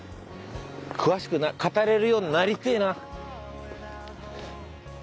詳しく語れるようになりてえな。